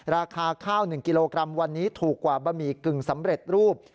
ราคาข้าว๑กิโลกรัมวันนี้ถูกกว่าบะหมี่กึ่งสำเร็จรูป